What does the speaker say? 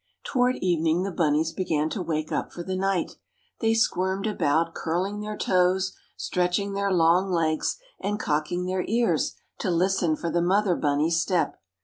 Toward evening the bunnies began to wake up for the night. They squirmed about, curling their toes, stretching their long legs, and cocking their ears to listen for the mother bunny's step.